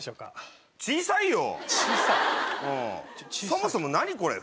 そもそも何これ？